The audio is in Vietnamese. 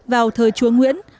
vào thời chúa nguyễn